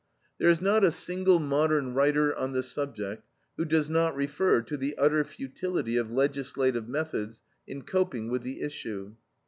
There is not a single modern writer on the subject who does not refer to the utter futility of legislative methods in coping with the issue.